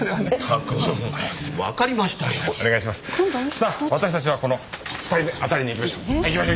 さあ私たちはこの２人目当たりに行きましょう。